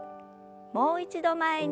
もう一度前に。